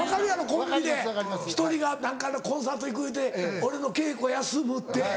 コンビで１人が何かのコンサート行く言うて俺の稽古休むって。